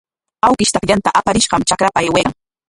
Awkish takllanta aparishqam trakrapa aywaykan.